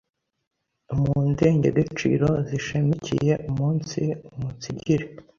Mu ndengegeciro zishemikiye umunsi umunsigire